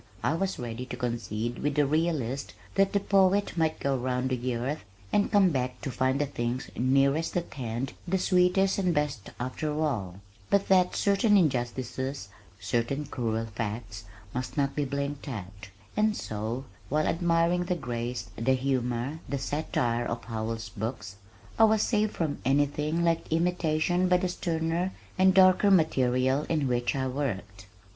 I was ready to concede with the realist that the poet might go round the earth and come back to find the things nearest at hand the sweetest and best after all, but that certain injustices, certain cruel facts must not be blinked at, and so, while admiring the grace, the humor, the satire of Howells' books, I was saved from anything like imitation by the sterner and darker material in which I worked.